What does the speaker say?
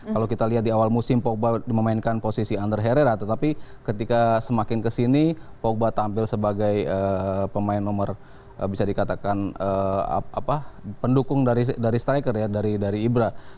kalau kita lihat di awal musim pogba memainkan posisi under herrera tetapi ketika semakin kesini pogba tampil sebagai pemain nomor bisa dikatakan pendukung dari striker ya dari ibra